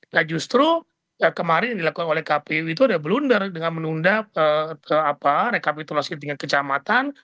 nah justru kemarin yang dilakukan oleh kpu itu ada blunder dengan menunda rekapitulasi tingkat kecamatan